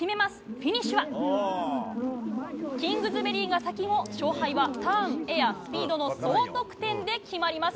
フィニッシュは、キングズベリーが先も、勝敗はターン、エア、スピードの総得点で決まります。